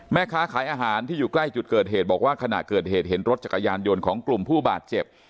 แม่ค้าขายอาหารที่อยู่ใกล้จุดเกิดเหตุบอกว่าขณะเกิดเหตุเห็นรถจักรยานยนต์ของกลุ่มผู้บาดเจ็บ